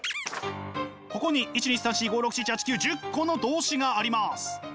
ここに１２３４５６７８９１０個の動詞があります。